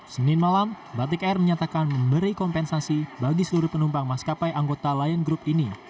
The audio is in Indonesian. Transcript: senin malam batik air menyatakan memberi kompensasi bagi seluruh penumpang maskapai anggota lion group ini